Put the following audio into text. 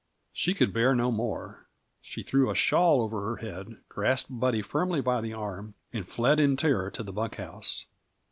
She could bear no more. She threw a shawl over her head, grasped Buddy firmly by the arm, and fled in terror to the bunk house.